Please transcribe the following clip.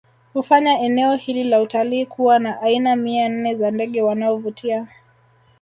Hufanya eneo hili la utalii kuwa na aina mia nne za ndege wanaovutia